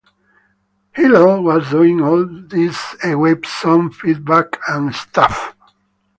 Hillel was doing all this awesome feedback and stuff.